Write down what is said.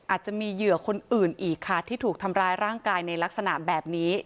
อาจจะมีเหยื่อคนอื่นอีกค่ะที่ถูกทำร้ายร่างกายในลักษณะแบบนี้